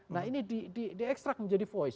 nah ini di ekstrak menjadi voice